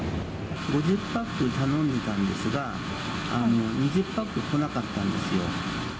５０パック頼んでいたんですが、もう２０パックこなかったんですよ。